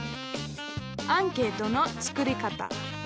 アンケートの作り方。